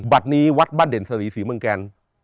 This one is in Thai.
วัดนี้วัดบ้านเด่นสรีศรีเมืองแกน